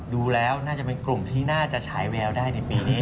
ดูแล้วน่าจะเป็นกลุ่มที่น่าจะฉายแววได้ในปีนี้